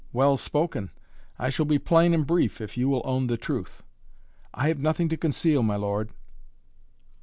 "Well spoken! I shall be plain and brief, if you will own the truth." "I have nothing to conceal, my lord."